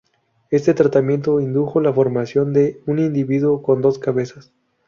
Este tratamiento indujo la formación de un individuo con dos cabezas.